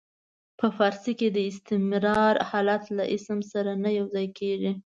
په فارسي کې د استمرار حالت له اسم سره نه یو ځای کیږي.